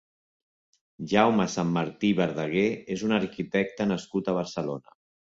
Jaume Sanmartí Verdaguer és un arquitecte nascut a Barcelona.